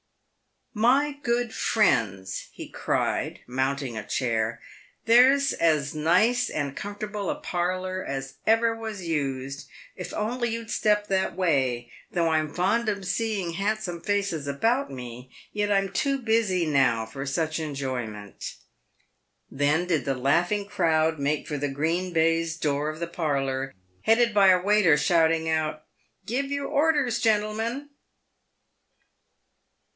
" My good friends," he cried, mounting a chair, "there's as nice and comfortable a parlour as ever was used, if you'd only step that way. Though I'm fond of seeing handsome faces about me, yet I'm too busy now for such enjoyment." Then did the laughing crowd make for the green baize door of the parlour, headed by a waiter shoutiug out, " Give your orders, gentle men!"